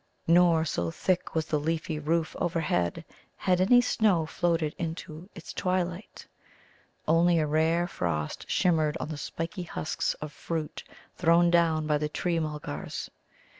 Nor, so thick was the leafy roof overhead, had any snow floated into its twilight. Only a rare frost shimmered on the spiky husks of fruit thrown down by the Tree mulgars.